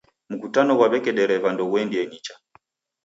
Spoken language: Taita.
Mkutano ghwa w'eke dreva ndoghuendie nicha.